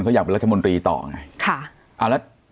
เขาอยากเป็นรัฐมนตรีต่อไง